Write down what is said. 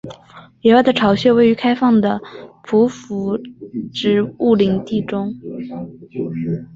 野外的巢穴位于开放的匍匐植物林地中。